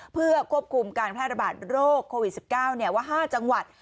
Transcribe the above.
เพื่อควบคุมการแพร่ระบาดโรคโควิด๑๙ว่า๕จังหวัด